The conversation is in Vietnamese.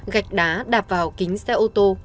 gạch đá đạp vào kính xe ô tô